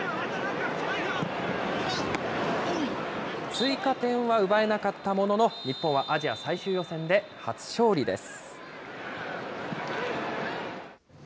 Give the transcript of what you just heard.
追加点は奪えなかったものの、日本はアジア最終予選で初勝利です。